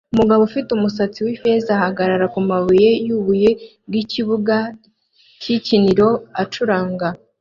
Umugabo ufite umusatsi wifeza ahagarara kumabuye yubuye bwikibuga cyikinira acuranga